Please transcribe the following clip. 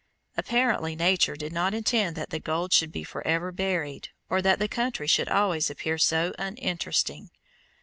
Apparently Nature did not intend that the gold should be forever buried, or that the country should always appear so uninteresting.